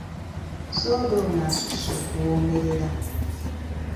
Soda ono asusse okuwoomerera!